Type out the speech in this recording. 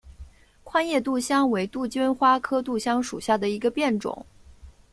宽叶杜香为杜鹃花科杜香属下的一个变种。